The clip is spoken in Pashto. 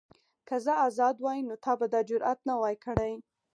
که زه ازاد وای نو تا به دا جرئت نه وای کړی.